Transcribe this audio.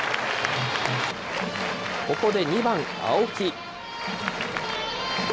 ここで２番青木。